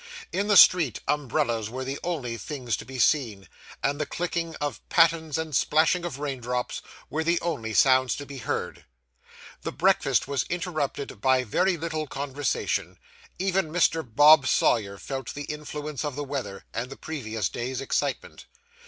In the street, umbrellas were the only things to be seen, and the clicking of pattens and splashing of rain drops were the only sounds to be heard. The breakfast was interrupted by very little conversation; even Mr. Bob Sawyer felt the influence of the weather, and the previous day's excitement.